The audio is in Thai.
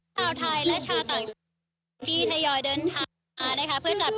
สวัสดีครับ